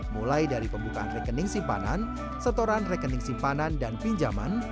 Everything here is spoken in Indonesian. mulai dari pembukaan rekening simpanan setoran rekening simpanan dan pinjaman